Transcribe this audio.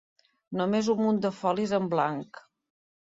Només un munt de folis en blanc.